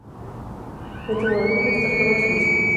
La etimología de estas formas se discute.